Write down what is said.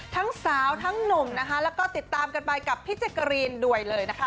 ทั้งสาวทั้งหนุ่มนะคะแล้วก็ติดตามกันไปกับพี่แจ๊กกะรีนด้วยเลยนะคะ